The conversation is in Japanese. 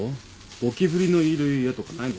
ゴキブリのいる家とかないの？